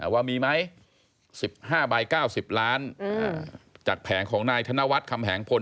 ว่ามีไหม๑๕ใบ๙๐ล้านจากแผงของนายธนวัฒน์คำแหงพล